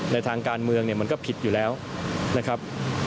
ในทางการเมืองเนี่ยมันก็ผิดอยู่แล้วนะครับ